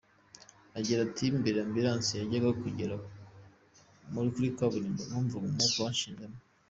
Agira ati “Mbere ambulance yajyaga kugera kuri kaburimbo numva umwuka wanshizemo.